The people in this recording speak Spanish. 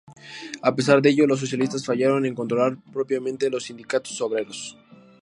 A pesar de ello, los socialistas fallaron en controlar propiamente los sindicatos obreros.